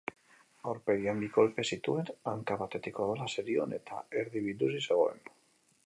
Aurpegian bi kolpe zituen, hanka batetik odola zerion eta erdi biluzik zegoen.